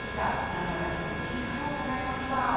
何だか自分に力をもらいました。